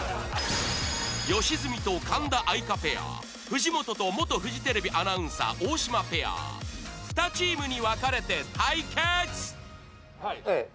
良純と神田愛花ペア藤本と元フジテレビアナウンサー大島ペア２チームに分かれて対決